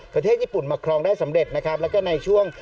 ประเทศญี่ปุ่นมาครองได้สำเร็จนะครับแล้วก็ในช่วง